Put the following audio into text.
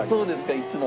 いつも。